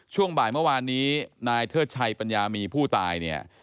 ช่วงบ่ายเมื่อวานนี้นายเทิดชัยปัญญามีผู้ตายเนี่ย